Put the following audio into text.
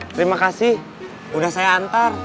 terima kasih sudah saya antar